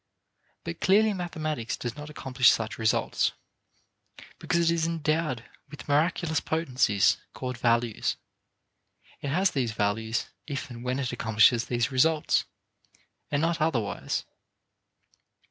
But clearly mathematics does not accomplish such results, because it is endowed with miraculous potencies called values; it has these values if and when it accomplishes these results, and not otherwise.